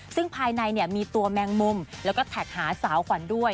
ซึ่งภายในมีตัวแมงมุมแล้วก็แท็กหาสาวขวัญด้วย